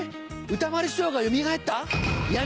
歌丸師匠がよみがえった？